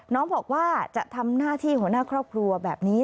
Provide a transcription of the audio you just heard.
น้องบอกว่าจะทำหน้าที่หัวหน้าครอบครัวแบบนี้